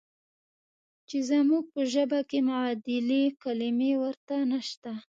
چې زموږ په ژبه کې معادلې کلمې ورته نشته.